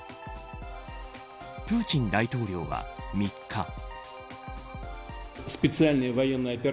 プーチン大統領は３日。